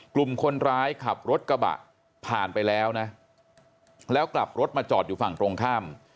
กลุ่มคนร้ายขับรถกระบะผ่านไปแล้วนะแล้วกลับรถมาจอดอยู่ฝั่งตรงข้าม